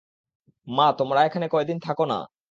মা, তোমরা এখানে কয়েকদিন থাকো না?